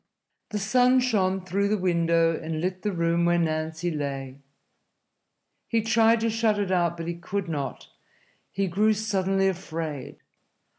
The sun shone through the window and lit the room where Nancy lay. He tried to shut it out, but he could not. He grew suddenly afraid.